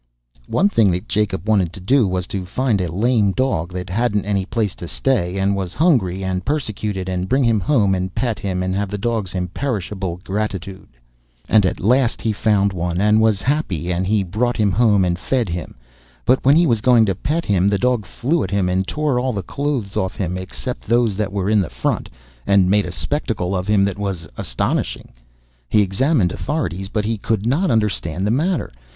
One thing that Jacob wanted to do was to find a lame dog that hadn't any place to stay, and was hungry and persecuted, and bring him home and pet him and have that dog's imperishable gratitude. And at last he found one and was happy; and he brought him home and fed him, but when he was going to pet him the dog flew at him and tore all the clothes off him except those that were in front, and made a spectacle of him that was astonishing. He examined authorities, but he could not understand the matter.